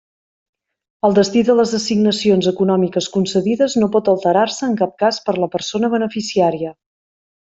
El destí de les assignacions econòmiques concedides no pot alterar-se en cap cas per la persona beneficiària.